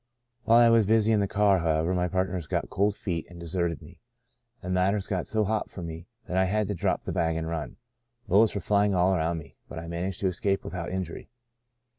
While I was busy in the car, however, my partners got * cold feet,' and deserted me, and matters got so hot for me that I had to drop the bag and run. Bullets were flying all around me, but I managed to escape without injury.